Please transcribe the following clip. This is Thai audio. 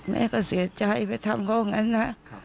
แม่ก็เสียใจไปทำเขาอย่างนั้นนะ